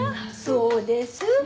そうです。